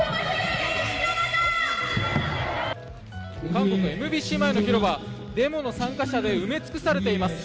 韓国ＭＢＣの前の広場デモの参加者で埋め尽くされています。